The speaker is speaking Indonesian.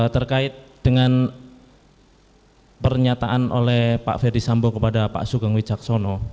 terkait dengan pernyataan oleh pak ferdisambo kepada pak sugeng wicaksono